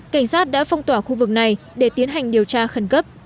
cảnh sát đã phong tỏa khu vực này để tiến hành điều tra khẩn cấp